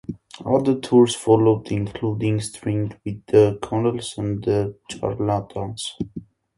Other tours followed, including stints with The Connells and The Charlatans.